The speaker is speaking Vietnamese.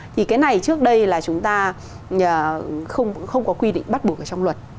thì cái này trước đây là chúng ta không có quy định bắt buộc ở trong luật